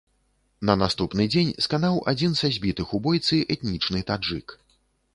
На наступны дзень сканаў адзін са збітых у бойцы, этнічны таджык.